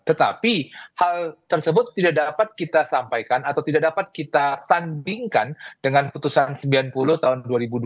tetapi hal tersebut tidak dapat kita sampaikan atau tidak dapat kita sandingkan dengan putusan sembilan puluh tahun dua ribu dua puluh